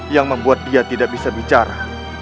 yang membuat dia tidak bisa bicara